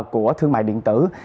của thương mại điện tử